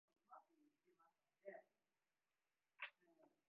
室外機の回る音だけが聞こえた。それはどの家からも聞こえた。